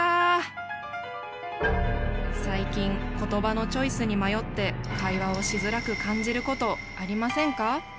最近言葉のチョイスに迷って会話をしづらく感じることありませんか？